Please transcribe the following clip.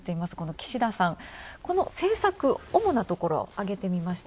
岸田さん、政策、主なところを挙げてみました。